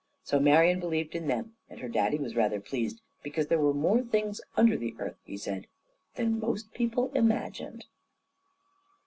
So Marian believed in them, and her daddy was rather pleased, because there were more things under the earth, he said, than most people imagined.